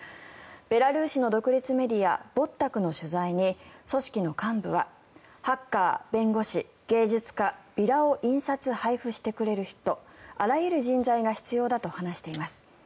ベラルーシの独立メディアヴォッタクの取材に組織の幹部はハッカー、弁護士、芸術家ビラを印刷して配布してくれる人あらゆる人材が必要だと話しています。